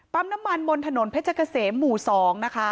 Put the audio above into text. ปั๊มน้ำมันบนถนนเพชรกษมร์หมู่สองนะคะ